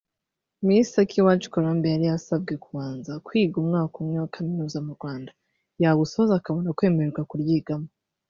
Miss Akiwacu Colombe yari yasabwe kubanza kwiga umwaka umwe wa kaminuza mu Rwanda yawusoza akabona kwemererwa kuryigamo